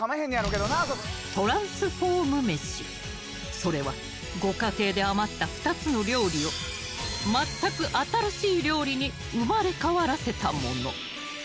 それはご家庭で余った２つの料理を全く新しい料理に生まれ変わらせたもの。